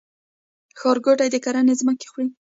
ښارګوټي د کرنې ځمکې خوري؟